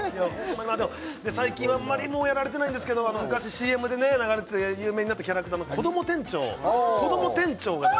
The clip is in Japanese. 最近あんまりもうやられてないんですけど昔ＣＭでね流れて有名になったキャラクターのこども店長がね